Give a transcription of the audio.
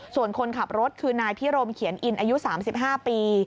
ส่วนคนขับรถคือนายพิรมเขียนอินอายุ๓๕ปี